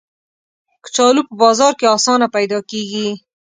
کچالو په بازار کې آسانه پیدا کېږي